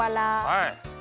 はい。